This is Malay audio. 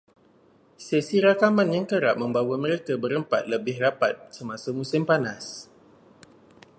Sesi rakaman yang kerap membawa mereka berempat lebih rapat semasa musim panas